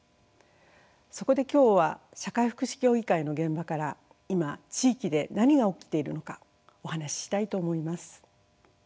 そこで今日は社会福祉協議会の現場から今地域で何が起きているのかお話ししたいと思います。